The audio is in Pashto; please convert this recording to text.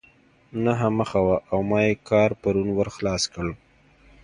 نهه مخه وه او ما ئې کار پرون ور خلاص کړ.